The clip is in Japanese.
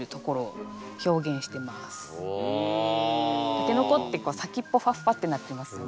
タケノコって先っぽファッファッてなってますよね。